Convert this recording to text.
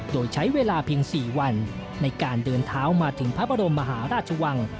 โดยใช้เวลาเพียง๔วันในการเดินเท้ามาถึงพระบรมมหาราชวัง